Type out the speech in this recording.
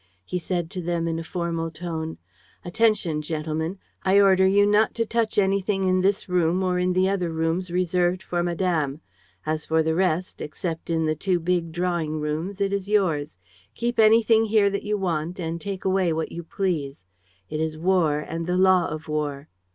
He said to them, in a formal tone: "'Attention, gentlemen. ... I order you not to touch anything in this room or in the other rooms reserved for madame. As for the rest, except in the two big drawing rooms, it is yours. Keep anything here that you want and take away what you please. It is war and the law of war.'